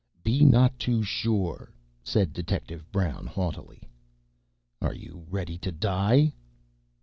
"Be not too sure," said Detective Brown haughtily. "Are you ready to die?"